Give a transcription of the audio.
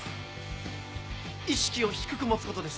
意識を低く持つことです。